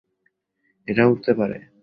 এটাও উড়তে পারে।